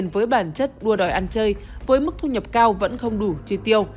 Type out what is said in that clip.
với bản chất đua đòi ăn chơi với mức thu nhập cao vẫn không đủ chi tiêu